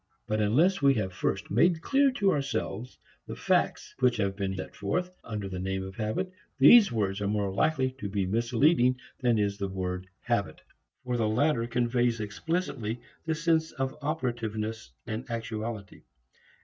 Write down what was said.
But unless we have first made clear to ourselves the facts which have been set forth under the name of habit, these words are more likely to be misleading than is the word habit. For the latter conveys explicitly the sense of operativeness, actuality.